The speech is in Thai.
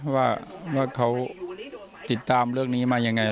ว่าเขาติดตามเรื่องนี้มายังไง